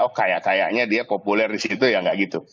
oh kayak kayaknya dia populer disitu